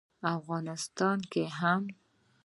افغانستان کې هم